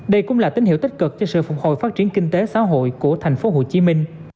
đây cũng là tín hiệu tích cực cho sự phục hồi phát triển kinh tế xã hội của tp hcm